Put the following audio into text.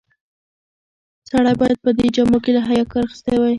سړی باید په دې جامو کې له حیا کار اخیستی وای.